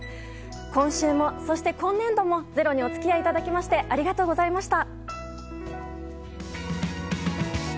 今週も今年度も「ｚｅｒｏ」にお付き合いいただきありがとうございました。